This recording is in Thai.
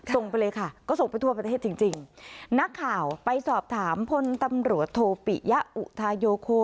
ส่งไปเลยค่ะก็ส่งไปทั่วประเทศจริงจริงนักข่าวไปสอบถามพลตำรวจโทปิยะอุทาโยโค